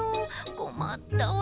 こまったわ。